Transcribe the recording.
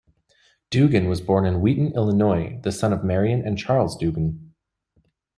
Dugan was born in Wheaton, Illinois, the son of Marion and Charles Dugan.